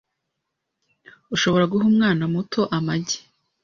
Ushobora guha umwana muto amagi